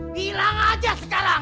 bilang aja sekarang